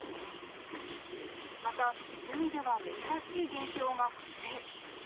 また、海では珍しい現象が発生。